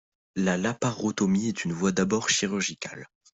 La laparotomie est une voie d'abord chirurgicale.